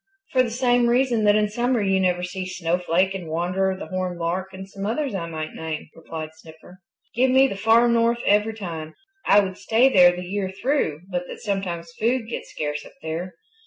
"For the same reason that in summer you never see Snowflake and Wanderer the Horned Lark and some others I might name," replied Snipper. "Give me the Far North every time. I would stay there the year through but that sometimes food gets scarce up there.